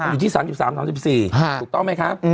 อยู่ที่๓๓๔ถูกต้องไหมคะ